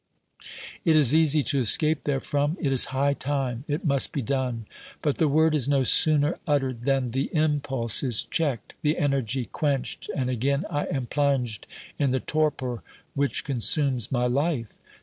It is easy to escape therefrom ; it is high time ; it must be done. But the word is no sooner uttered than the impulse is checked, the energy quenched, and again I am plunged in the torpor which consumes my life.